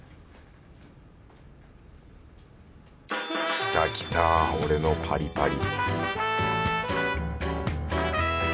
きたきた俺のパリパリ